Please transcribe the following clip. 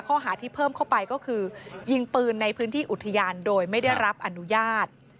ข้อหาที่เพิ่มเข้าไปก็คือยิงปืนในพื้นที่อุทยานโดยไม่ได้รับอนุญาต